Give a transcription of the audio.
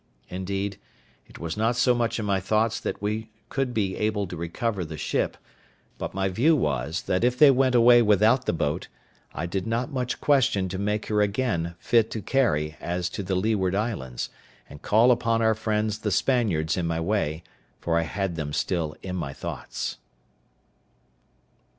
Indeed, it was not much in my thoughts that we could be able to recover the ship; but my view was, that if they went away without the boat, I did not much question to make her again fit to carry as to the Leeward Islands, and call upon our friends the Spaniards in my way, for I had them still in my thoughts.